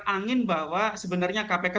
angin bahwa sebenarnya kpk